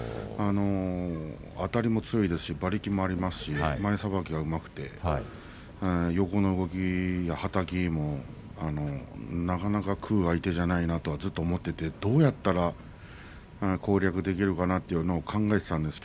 あたりも強いし馬力もありますし前さばきもうまくて横の動き、はたきなかなか食う相手じゃないなとずっと思っていてどうやったら攻略できるかなと考えていたんです。